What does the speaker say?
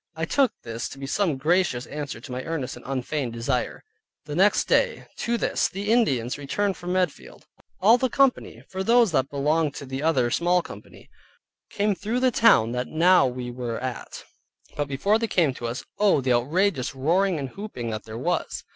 I took this to be some gracious answer to my earnest and unfeigned desire. The next day, viz. to this, the Indians returned from Medfield, all the company, for those that belonged to the other small company, came through the town that now we were at. But before they came to us, Oh! the outrageous roaring and hooping that there was.